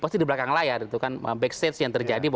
pasti di belakang layar backstage yang terjadi